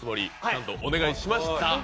なんとお願いしました。